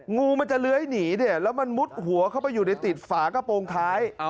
งูมันจะเลื้อยหนีเนี่ยแล้วมันมุดหัวเข้าไปอยู่ในติดฝากระโปรงท้าย